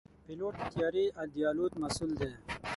پيلوټ د طیارې د الوت مسؤل دی.